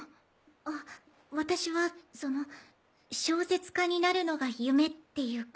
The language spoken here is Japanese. あっ私はその小説家になるのが夢っていうか。